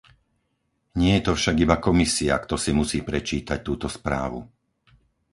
Nie je to však iba Komisia, kto si musí prečítať túto správu.